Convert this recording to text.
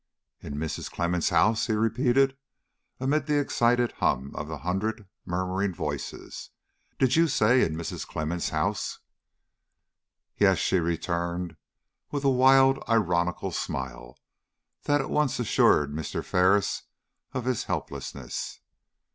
"In Mrs. Clemmens' house!" he repeated, amid the excited hum of a hundred murmuring voices. "Did you say, in Mrs. Clemmens' house?" "Yes," she returned, with a wild, ironical smile that at once assured Mr. Ferris of his helplessness.